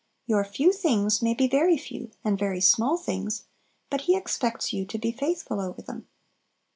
Your "few things" may be very few, and very small things, but He expects you to be faithful over them.